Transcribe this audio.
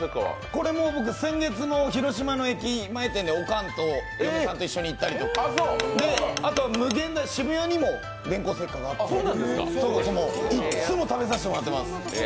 これ、僕、先月も広島の駅前店におかんと嫁さんと一緒に行ったりとかあと渋谷にも電光石火があっていっつも食べさせてもらってます。